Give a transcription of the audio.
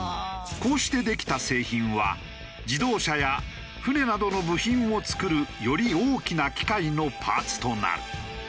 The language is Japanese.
こうしてできた製品は自動車や船などの部品を作るより大きな機械のパーツとなる。